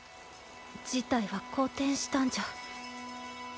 事態は好転したんじゃ。